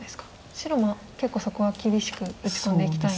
白も結構そこは厳しく打ち込んでいきたい。